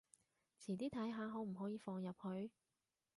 遲啲睇下可唔可以放入去